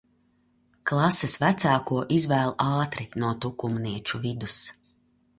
Klases vecāko izvēl ātri no tukumnieču vidus.